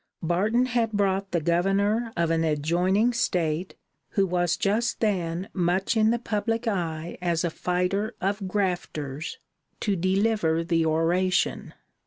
Barton had brought the governor of an adjoining state, who was just then much in the public eye as a fighter of grafters, to deliver the oration.